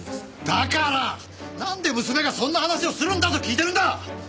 だからなんで娘がそんな話をするんだと聞いてるんだ！